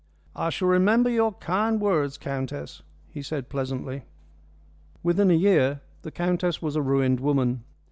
"I shall remember your kind words, countess," he said pleasantly. Within a year the countess was a ruined woman.